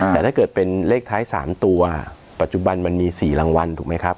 แต่ถ้าเกิดเป็นเลขท้าย๓ตัวปัจจุบันมันมี๔รางวัลถูกไหมครับ